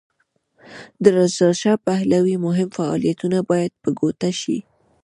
د رضاشاه پهلوي مهم فعالیتونه باید په ګوته شي.